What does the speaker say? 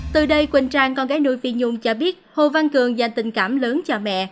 từ đây quỳnh trang con gái nuôi phi nhung cho biết hồ văn cường dành tình cảm lớn cho mẹ